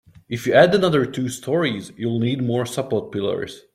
If you add another two storeys, you'll need more support pillars.